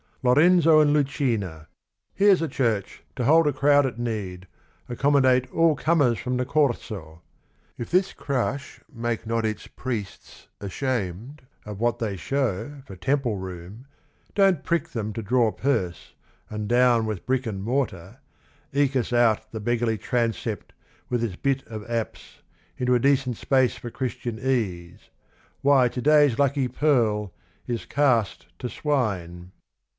Lorenzo in Lucina, — here 's a church To hold a crowd at need, accommodate All comers from the Corso ! If this crush Make not its priests ashamed of what they show For temple room, don't prick them to draw purse And down with brick and mortar, eke us out The beggarly transept with its bit of apse Into a decent space for Christian ease, Why, to day's lucky pearl is cast to swine."